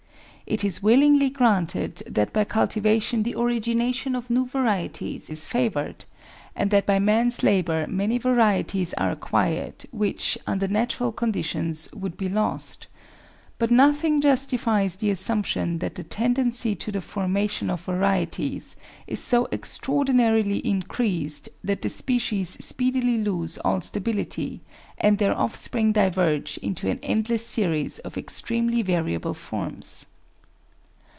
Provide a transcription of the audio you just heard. It is willingly granted that 344 APPENDIX by cultivation the origination of new varieties is favoured, and that by man's labour many varieties are acquired which, under natural conditions, would be lost; but nothing justifies the assumption that the tendency to the formation of varieties is so extraordinarily increased that the species speedily lose all stability, and their offspring diverge into an endless series of extremely variable forms.